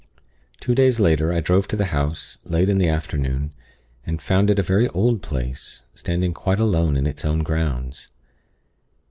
"Two days later, I drove to the house late in the afternoon. I found it a very old place, standing quite alone in its own grounds.